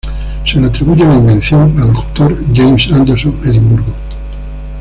Se le atribuye la invención a Dr James Anderson Edimburgo.